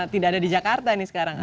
tidak ada di jakarta ini sekarang